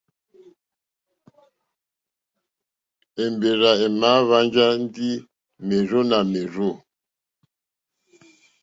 Èmbèrzà èmà hwánjá ndí mèrzó nà mèrzô.